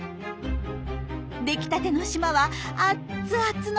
出来たての島はアッツアツの真っ黒け。